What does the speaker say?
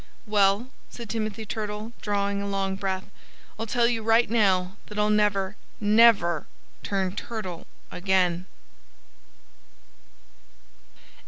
"Well," said Timothy Turtle, drawing a long breath, "I'll tell you right now that I'll never, never, turn turtle again."